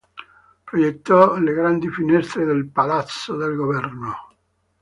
Progettò le grandi finestre nel palazzo del governo.